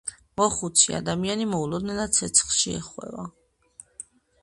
მოხუცი ადამიანი მოულოდნელად ცეცხლში ეხვევა.